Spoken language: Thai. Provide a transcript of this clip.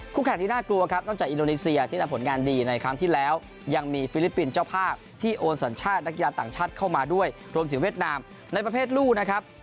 แข่งที่น่ากลัวครับนอกจากอินโดนีเซียที่ทำผลงานดีในครั้งที่แล้วยังมีฟิลิปปินส์เจ้าภาพที่โอนสัญชาตินักกีฬาต่างชาติเข้ามาด้วยรวมถึงเวียดนามในประเภทลูกนะครับ